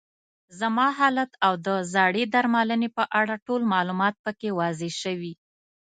زما حالت او د زړې درملنې په اړه ټول معلومات پکې واضح شوي.